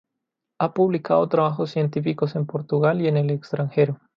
Ha publicado trabajos científicos en Portugal y en el extranjero.